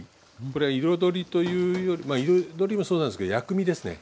これは彩りというより彩りもそうなんですけど薬味ですね